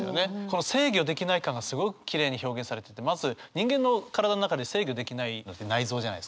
この制御できない感がすごくきれいに表現されててまず人間の体の中で制御できないのって内臓じゃないですか。